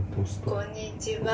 「こんにちは」。